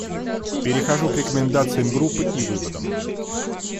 Перехожу к рекомендациям группы и выводам.